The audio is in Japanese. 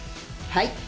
はい。